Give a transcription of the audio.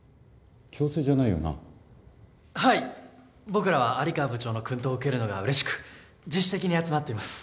僕らは有川部長の薫陶を受けるのがうれしく自主的に集まっています。